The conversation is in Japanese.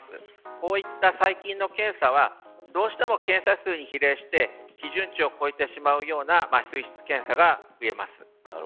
こういった細菌の検査はどうしても検査数に比例して基準値を超えてしまうような水質検査が増えます。